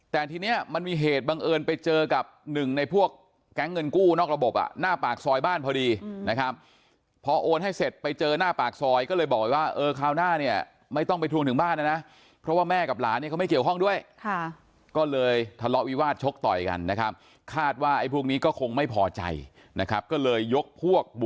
แต่ทีเนี้ยมันมีเหตุบังเอิญไปเจอกับหนึ่งในพวกแก๊งเงินกู้นอกระบบอ่ะหน้าปากซอยบ้านพอดีนะครับพอโอนให้เสร็จไปเจอหน้าปากซอยก็เลยบอกว่าเออคราวหน้าเนี่ยไม่ต้องไปทวงถึงบ้านนะนะเพราะว่าแม่กับหลานเนี่ยเขาไม่เกี่ยวข้องด้วยค่ะก็เลยทะเลาะวิวาสชกต่อยกันนะครับคาดว่าไอ้พวกนี้ก็คงไม่พอใจนะครับก็เลยยกพวกบ